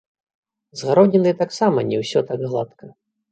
З гароднінай таксама не ўсё так гладка.